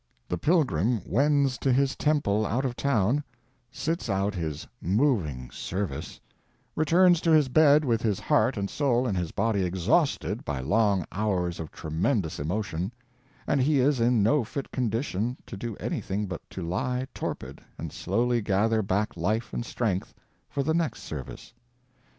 The pilgrim wends to his temple out of town, sits out his moving service, returns to his bed with his heart and soul and his body exhausted by long hours of tremendous emotion, and he is in no fit condition to do anything but to lie torpid and slowly gather back life and strength for the next service.